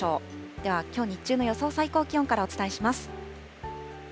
では、きょう日中の予想最高気温からお伝えします。